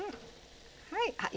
はい。